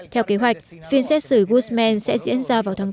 theo kế hoạch phiên xét xử guzman sẽ diễn ra vào tháng bốn